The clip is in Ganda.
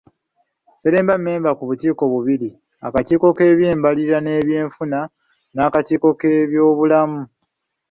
Sseremba mmemba ku bukiiko bubiri; akakiiko k'ebyembalirira n'ebyenfuna n'akakiiko k'ebyobulamu